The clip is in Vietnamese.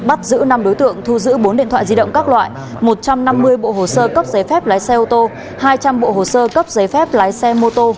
bắt giữ năm đối tượng thu giữ bốn điện thoại di động các loại một trăm năm mươi bộ hồ sơ cấp giấy phép lái xe ô tô hai trăm linh bộ hồ sơ cấp giấy phép lái xe mô tô